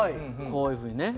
こういうふうにね。